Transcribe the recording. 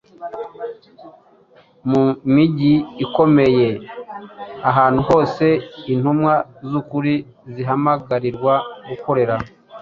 Mu mijyi ikomeye ahantu hose intumwa z’ukuri zihamagarirwa gukorera,